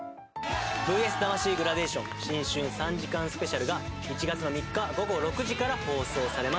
『ＶＳ魂グラデーション新春３時間スペシャル』が１月３日午後６時から放送されます。